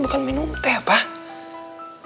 bukan minum teh pak